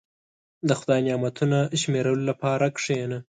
• د خدای نعمتونه شمیرلو لپاره کښېنه.